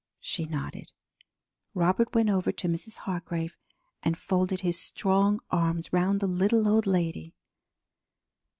She nodded. Robert went over to Mrs. Hargrave and folded his strong arms round the little old lady.